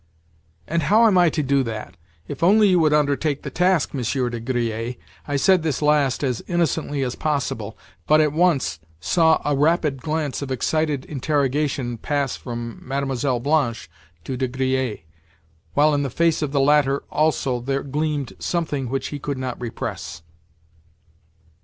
"And how am I to do that? If only you would undertake the task, Monsieur de Griers!" I said this last as innocently as possible, but at once saw a rapid glance of excited interrogation pass from Mlle. Blanche to De Griers, while in the face of the latter also there gleamed something which he could not repress.